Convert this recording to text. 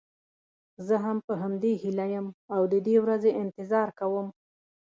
زه هم په همدې هیله یم او د دې ورځې انتظار کوم.